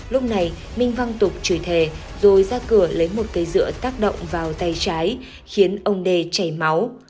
lúc này minh văng tục chửi thề rồi ra cửa lấy một cây dựa tác động vào tay trái khiến ông đê chảy máu